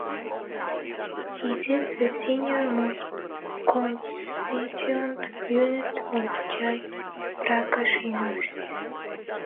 It is the senior most constituent unit of Jai Prakash University.